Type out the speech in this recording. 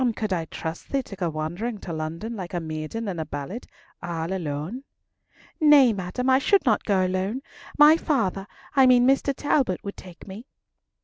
And could I trust thee to go wandering to London, like a maiden in a ballad, all alone?" "Nay, madam, I should not go alone. My father, I mean Mr. Talbot, would take me."